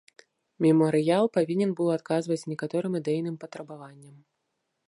Мемарыял павінен быў адказваць некаторым ідэйным патрабаванням.